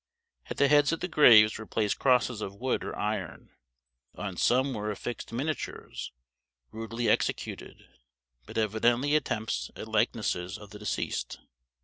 At the heads of the graves were placed crosses of wood or iron. On some were affixed miniatures, rudely executed, but evidently attempts at likenesses of the deceased.